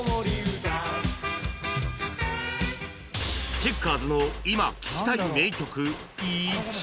チェッカーズの今聴きたい名曲１位は